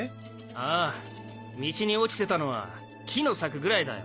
ああ道に落ちてたのは木の柵ぐらいだよ。